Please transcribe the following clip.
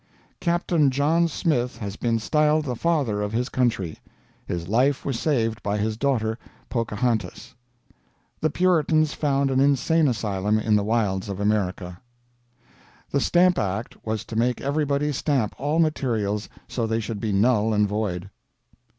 "Captain John Smith has been styled the father of his country. His life was saved by his daughter Pochahantas. "The Puritans found an insane asylum in the wilds of America. "The Stamp Act was to make everybody stamp all materials so they should be null and void.